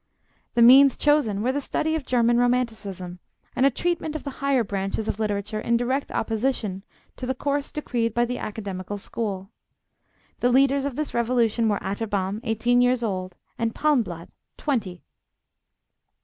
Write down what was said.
The means chosen were the study of German romanticism, and a treatment of the higher branches of literature in direct opposition to the course decreed by the Academical school. The leaders of this revolution were Atterbom, eighteen years old, and Palmblad, twenty!